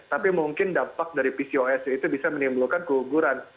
tapi mungkin dampak dari pcos itu bisa menimbulkan keuguran